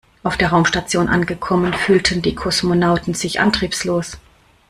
Auf der Raumstation angekommen fühlten die Kosmonauten sich antriebslos.